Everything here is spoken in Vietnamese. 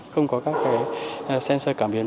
không có các sensor cảm biến